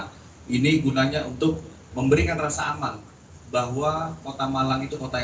kami juga sudah melakukan penyelidikan dari pores tamalangkota